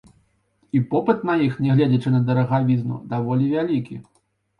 І попыт на іх, нягледзячы на дарагавізну, даволі вялікі.